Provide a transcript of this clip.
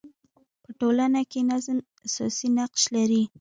په ټولنه کي نظم اساسي نقش لري.